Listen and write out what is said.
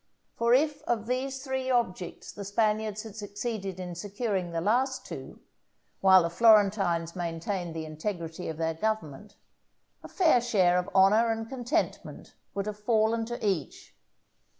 For if of these three objects the Spaniards had succeeded in securing the last two, while the Florentines maintained the integrity of their government, a fair share of honour and contentment would have fallen to each.